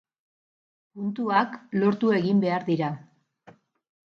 Puntuak lortu egin behar dira.